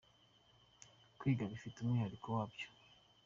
Kwiga bifite umwihariko wabyo.